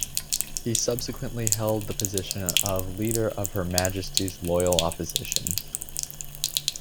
He subsequently held the position of Leader of Her Majesty's Loyal Opposition.